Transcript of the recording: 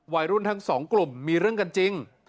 วัยรุ่นทั้งสองกลุ่มมีเรื่องกันจริง